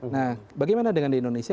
nah bagaimana dengan di indonesia